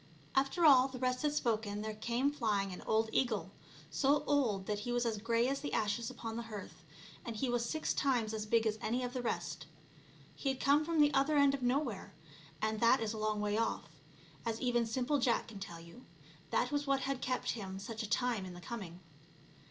After all the rest had spoken there came flying an old eagle, so old that he was as grey as the ashes upon the hearth, and he was six times as big as any of the rest. He had come from the other end of nowhere, and that is a long way off, as even simple Jack can tell you ; that was what had kept him such a time in the coming.